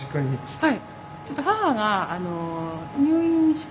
はい。